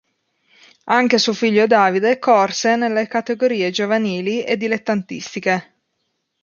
Anche suo figlio Davide corse nelle categorie giovanili e dilettantistiche.